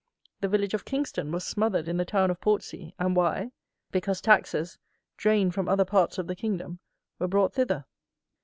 The village of Kingston was smothered in the town of Portsea; and why? Because taxes, drained from other parts of the kingdom, were brought thither.